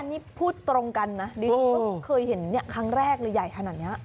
นี่พูดตรงกันนะดิฉันก็เคยเห็นครั้งแรกเลยใหญ่ขนาดนี้